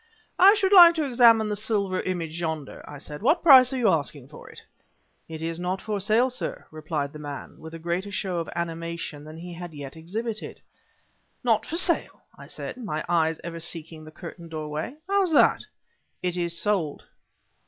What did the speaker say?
"I should like to examine the silver image yonder," I said; "what price are you asking for it?" "It is not for sale, sir," replied the man, with a greater show of animation than he had yet exhibited. "Not for sale!" I said, my eyes ever seeking the curtained doorway; "how's that?" "It is sold."